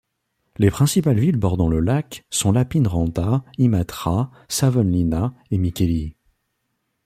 Les principales villes bordant le lac sont Lappeenranta, Imatra, Savonlinna et Mikkeli.